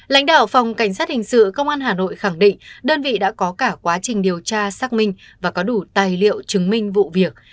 lãnh đạo phòng cảnh sát hình sự công an hà nội khẳng định đơn vị đã có cả quá trình điều tra xác minh và có đủ tài liệu chứng minh vụ việc